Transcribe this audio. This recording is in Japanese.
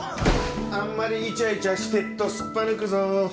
あんまりイチャイチャしてっとすっぱ抜くぞ。